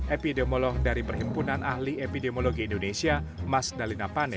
epidemiolog dari perhimpunan ahli epidemiologi indonesia mas dalina pane